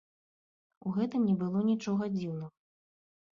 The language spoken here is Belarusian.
У гэтым не было нічога дзіўнага.